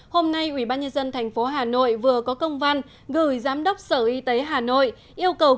hôm nay ủy ban nhân dân thành phố hà nội vừa có công văn gửi giám đốc sở y tế hà nội yêu cầu